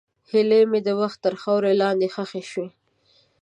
هیلې مې د وخت تر خاورو لاندې ښخې شوې.